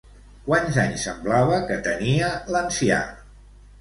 Quants anys semblava que tenia l'ancià?